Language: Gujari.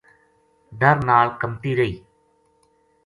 ڈر نال کَمتی رہی